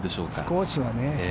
少しはね。